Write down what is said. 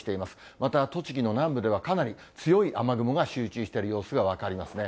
また栃木の南部では、かなり強い雨雲が集中している様子が分かりますね。